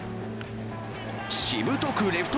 しぶとくレフト